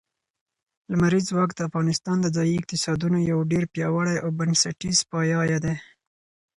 لمریز ځواک د افغانستان د ځایي اقتصادونو یو ډېر پیاوړی او بنسټیز پایایه دی.